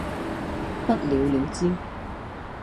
不了了之